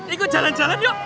ikut jalan jalan yuk